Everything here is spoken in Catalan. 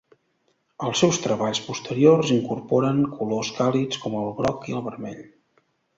Els seus treballs posteriors incorporen colors càlids com el groc i vermell.